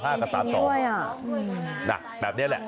น้อยครับ